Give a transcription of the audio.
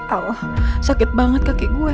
alah sakit banget kaki gue